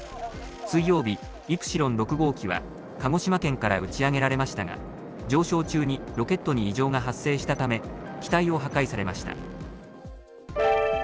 水曜日、イプシロン６号機は、鹿児島県から打ち上げられましたが、上昇中にロケットに異常が発生したため、機体を破壊されました。